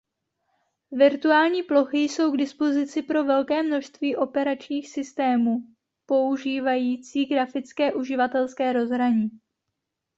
Virtuální plochy jsou k dispozici pro velké množství operačních systému používající grafické uživatelské rozhraní.